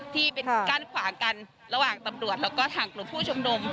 ที่เป็นกั้นขวางกันระหว่างตำรวจแล้วก็ทางกลุ่มผู้ชุมนุม